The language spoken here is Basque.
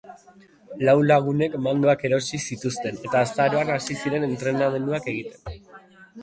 Lau lagunek mandoak erosi zituzten, eta azaroan hasi ziren entrenamenduak egiten.